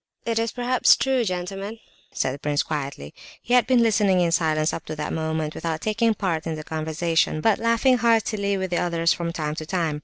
"It is perhaps true, gentlemen," said the prince, quietly. He had been listening in silence up to that moment without taking part in the conversation, but laughing heartily with the others from time to time.